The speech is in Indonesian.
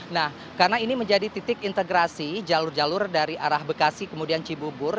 nah karena ini menjadi titik integrasi jalur jalur dari arah bekasi kemudian cibubur